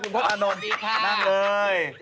คุณพลสวัสดีครับนั่งเลย